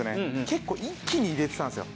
結構一気に入れてたんですよ。